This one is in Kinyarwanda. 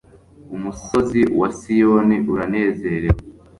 umusozi wa siyoni uranezerewe